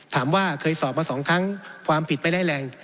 ถามว่าเคยสอบมา๒ครั้งความผิดไม่ได้แรง